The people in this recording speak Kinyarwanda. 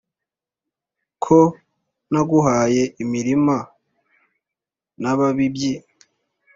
ko naguhaye imirima n' ababibyi